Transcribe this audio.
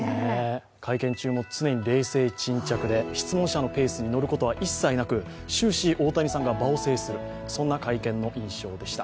会見中に常に冷静沈着で、質問者のペースに乗ることは一切なく、終始、大谷さんが場を制する、そんな会見の印象でした。